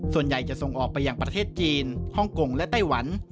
ส่วนใหญ่จะส่งออกไปอย่างประเทศจีนฮ่องกงและไต้หวัน